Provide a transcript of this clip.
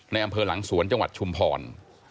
อำเภอหลังสวนจังหวัดชุมพร